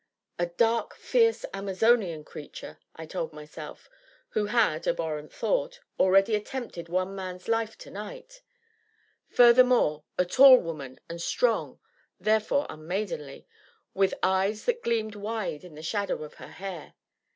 "A dark, fierce, Amazonian creature!" I told myself, who had (abhorrent thought) already attempted one man's life to night; furthermore, a tall woman, and strong (therefore unmaidenly), with eyes that gleamed wild in the shadow of her hair.